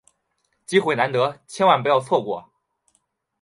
机会难得，千万不要错过！